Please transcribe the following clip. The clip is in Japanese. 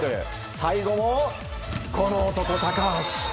最後もこの男、高橋。